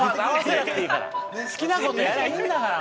好きな事やりゃいいんだから。